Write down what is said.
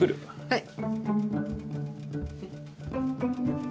はい。